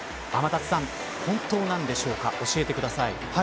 天達さん、本当なんでしょうか教えてください。